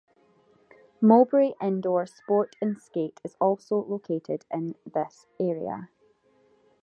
Mowbray Indoor Sport n Skate is also located in this area.